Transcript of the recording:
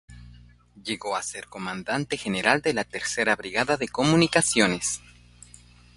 Llegó a ser comandante general de la Tercera Brigada de Comunicaciones.